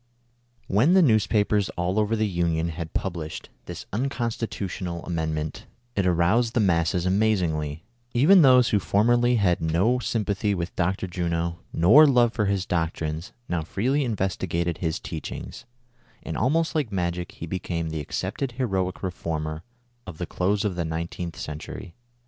HEN the newspapers all over the Union had published this unconstitutional Amendment, it aroused the masses amazingly ; even those who formerly had no sympathy with Dr. Juno, nor love for his doctrines, now freely investigated his teach ings, and almost like magic he became the accepted heroic reformer of the close of the nineteenth century.